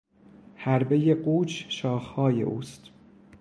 حربهی قوچ شاخهای اوست.